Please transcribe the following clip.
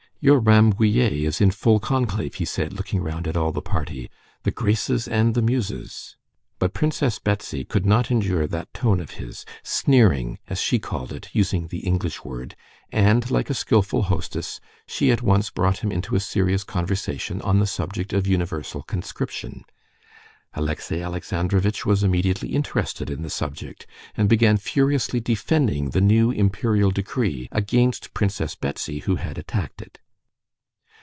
"Your Rambouillet is in full conclave," he said, looking round at all the party; "the graces and the muses." But Princess Betsy could not endure that tone of his—"sneering," as she called it, using the English word, and like a skillful hostess she at once brought him into a serious conversation on the subject of universal conscription. Alexey Alexandrovitch was immediately interested in the subject, and began seriously defending the new imperial decree against Princess Betsy, who had attacked it.